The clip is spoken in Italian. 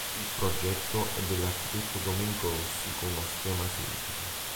Il progetto è dell'architetto Domenico Rossi con uno schema semplice.